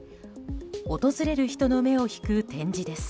訪れる人の目を引く展示です。